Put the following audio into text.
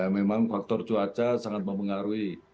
memang faktor cuaca sangat mempengaruhi